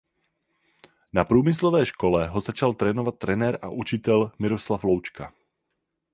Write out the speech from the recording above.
Na průmyslové škole ho začal trénovat trenér a učitel Miroslav Loučka.